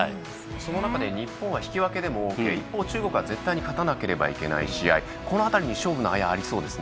その中でも日本は引き分けでもよくて中国は絶対に勝たないといけないこの辺りに勝負のあやがありそうですね。